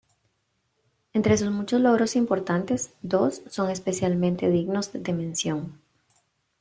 Entre sus muchos logros importantes, dos son especialmente dignos de mención.